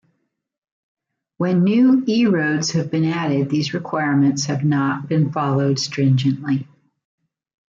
When new E-roads have been added these requirements have not been followed stringently.